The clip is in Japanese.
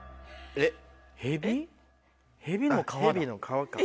あっヘビの皮か。